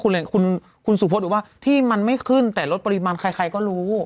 คุณสุพธบอกว่าที่มันไม่ขึ้นแต่ลดปริมาณใครก็รู้